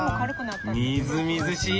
みずみずしい！